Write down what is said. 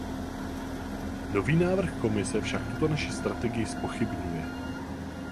Nový návrh Komise však tuto naši strategii zpochybňuje.